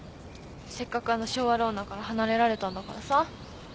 せっかくあの性悪女から離れられたんだからさ。